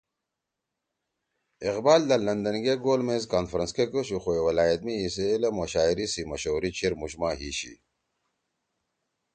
اقبال دا لندن گے گول میز کانفرنس کے گَشُو خو ولائت می ایِسی علم او شاعری سی مشہوری چیر مُوشما ہی شی